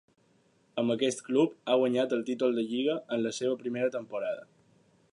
Amb aquest club ha guanyat el títol de Lliga en la seva primera temporada.